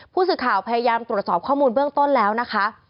ผู้สื่อข่าวพยายามตรวจสอบข้อมูลเบื้องต้นแล้วนะคะ